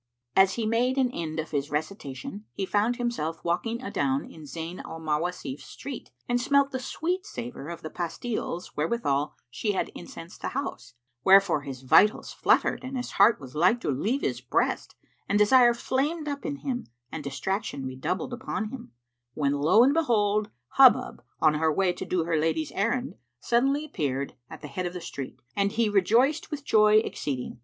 As he made an end of his recitation, he found himself walking adown in Zayn al Mawasif's street and smelt the sweet savour of the pastiles wherewithal she had incensed the house; wherefore his vitals fluttered and his heart was like to leave his breast and desire flamed up in him and distraction redoubled upon him; when lo, and behold! Hubub, on her way to do her lady's errand suddenly appeared at the head of the street and he rejoiced with joy exceeding.